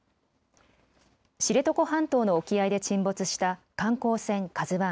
知床半島の沖合で沈没した観光船、ＫＡＺＵＩ。